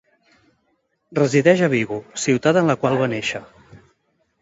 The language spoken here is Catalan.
Resideix a Vigo, ciutat en la qual va néixer.